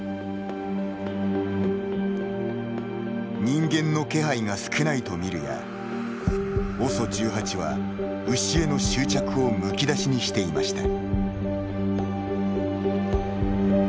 人間の気配が少ないと見るやＯＳＯ１８は牛への執着をむき出しにしていました。